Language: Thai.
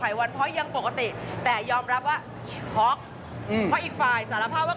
ป่ายวันพอยที่มีลายหลุดแล้วป่ายบอกว่า